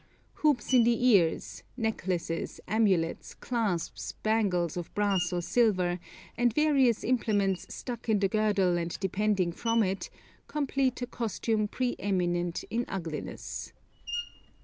Hoops in the ears, necklaces, amulets, clasps, bangles of brass or silver, and various implements stuck in the girdle and depending from it, complete a costume pre eminent in ugliness.